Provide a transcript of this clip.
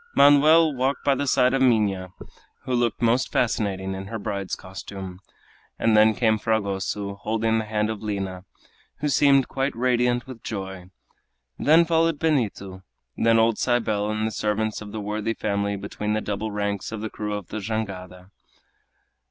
Manoel walked by the side of Minha, who looked most fascinating in her bride's costume, and then came Fragoso, holding the hand of Lina, who seemed quite radiant with joy. Then followed Benito, then old Cybele and the servants of the worthy family between the double ranks of the crew of the jangada.